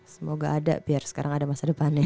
semoga ada biar sekarang ada masa depannya